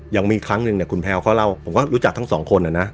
ยังมีครั้งหนึ่งเนี่ยคุณแพลวเขาเล่าผมก็รู้จักทั้งสองคนนะ